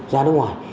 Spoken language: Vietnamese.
ra nước ngoài